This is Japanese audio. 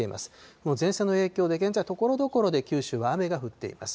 この前線の影響で、現在、ところどころで九州は雨が降っています。